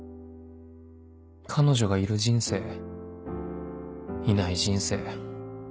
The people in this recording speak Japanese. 彼女がいる人生いない人生